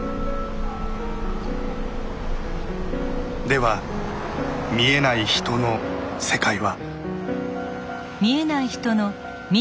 では見えない人の世界は。